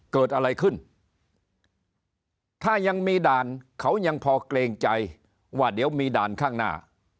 เกิดอะไรขึ้นถ้ายังมีด่านเขายังพอเกรงใจว่าเดี๋ยวมีด่านข้างหน้า